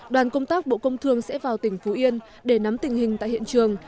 đoàn công tác bộ công thương sẽ vào tỉnh phú yên để nắm tình hình tại hiện trường